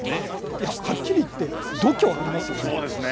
いやはっきり言って度胸ありますよね。